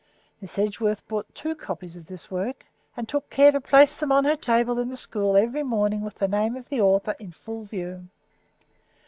Miss Edgeworth bought two copies of this work, and took care to place them on her table in the school every morning with the name of the author in full view.